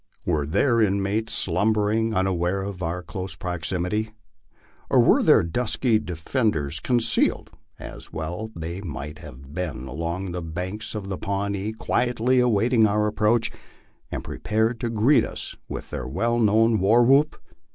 Were their inmates slumbering, unaware of our close proximity, or were their dusky defenders concealed, as well they might have been, along the banks of the Pawnee, quietly awaiting our approach, and prepared to greet us with their well known war whoop?